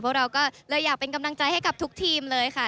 พวกเราก็เลยอยากเป็นกำลังใจให้กับทุกทีมเลยค่ะ